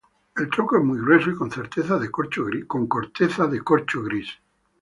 El tronco es muy grueso, y con corteza de corcho gris.